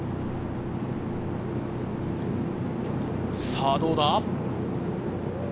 さぁ、どうだ？